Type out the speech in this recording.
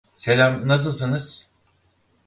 selam nasılsınız